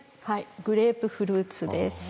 グレープフルーツです。